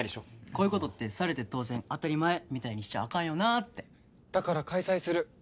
こういうことってされて当然当たり前みたいにしちゃあかんよなってだから開催する